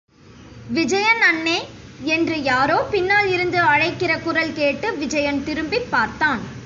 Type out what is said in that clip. விஜயன் அண்ணே. என்று யாரோ பின்னால் இருந்து அழைக்கிற குரல்கேட்டு விஜயன் திருப்பிப் பார்த்தான்.